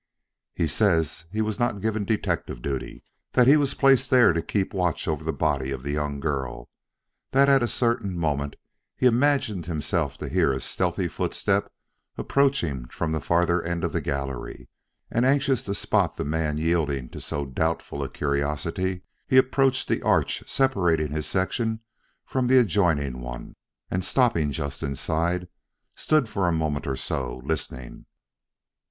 "He says he was not given detective duty that he was placed there to keep watch over the body of the young girl; that at a certain moment he imagined himself to hear a stealthy footstep approaching from the farther end of the gallery, and anxious to spot the man yielding to so doubtful a curiosity, he approached the arch separating his section from the adjoining one, and stopping just inside, stood for a moment or so, listening.